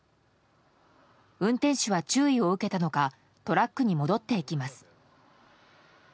運転手は注意を受けたのかトラックに戻っていきます。